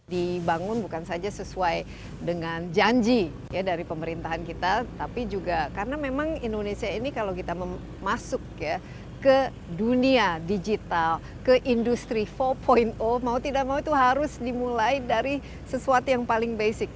dibangun bukan saja sesuai dengan janji ya dari pemerintahan kita tapi juga karena memang indonesia ini kalau kita masuk ya ke dunia digital ke industri empat mau tidak mau itu harus dimulai dari sesuatu yang paling basic